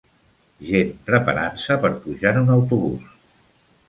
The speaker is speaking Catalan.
Gent preparant-se per pujar en un autobús